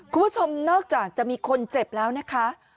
คุณผู้ชมนอกจากจะมีคนเจ็บแล้วนะคะ